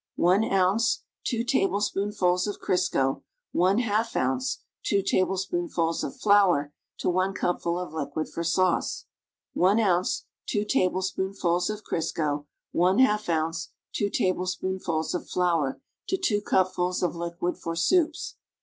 1 ounce (2 tablespoonfuls) of Crisco, li ounce (2 tablespoonfuls) of flour to 1 cupful of liquid for sauce. 1 ounce (2 tablespoonfuls) of Crisco, yi ounce (2 tablespoonfuls) of flour to 2 cupfuls of liquid for soups.